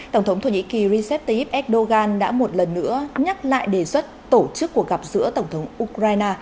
tổng thống thổ nhĩ kỳ recep tayyip erdogan đã một lần nữa nhắc lại đề xuất tổ chức cuộc gặp giữa tổng thống ukraine